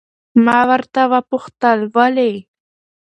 ما ورته وپوښتل ولې؟